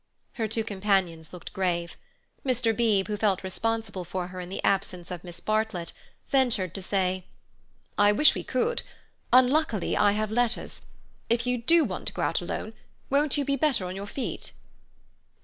Her two companions looked grave. Mr. Beebe, who felt responsible for her in the absence of Miss Bartlett, ventured to say: "I wish we could. Unluckily I have letters. If you do want to go out alone, won't you be better on your feet?"